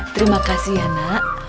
terima kasih ya nak